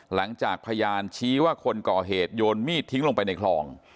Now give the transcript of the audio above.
หลังจากพยานชี้ว่าคนก่อเหตุโยนมีดทิ้งลงไปในคลอง